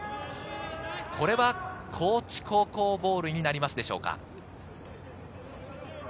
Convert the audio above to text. これは高知高校ボールになりますでしょうか。